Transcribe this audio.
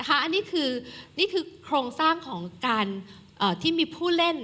อันนี้คือนี่คือโครงสร้างของการที่มีผู้เล่น